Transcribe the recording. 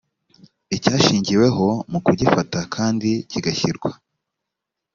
icyashingiweho mu kugifata kandi kigashyirwa